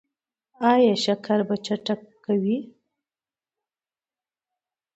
ایا شکر به چیک کوئ؟